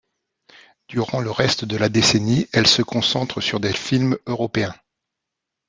Durant le reste de la décennie, elle se concentre sur des films européens.